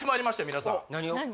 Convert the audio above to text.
皆さん何を？